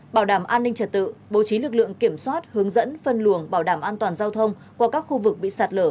bảo đảm an ninh trật tự bố trí lực lượng kiểm soát hướng dẫn phân luồng bảo đảm an toàn giao thông qua các khu vực bị sạt lở